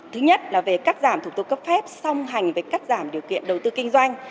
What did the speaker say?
thứ nhất là về cắt giảm thủ tục cấp phép song hành với cắt giảm điều kiện đầu tư kinh doanh